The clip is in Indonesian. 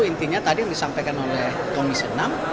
intinya tadi yang disampaikan oleh komisi enam